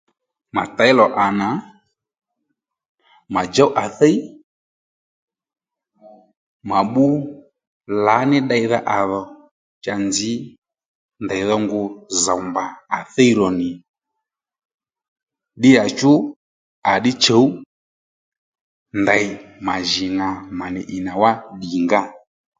Mà těy lò à nà mà djów à thíy mà bbú lǎní ddeydha à dhò cha nzǐ ndèy dho ngu zòw mbà à thíy rò nì ddíyàchú à ddí chǔw ndèy mà jì ŋà mà nì ì nà wá ddǐngǎ